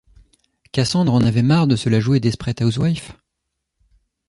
Cassandre en avait marre de se la jouer Desperate Housewife ?